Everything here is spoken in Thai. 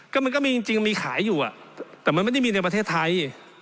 ก็มันก็มีจริงมีขายอยู่แต่มันไม่ได้มีในประเทศไทย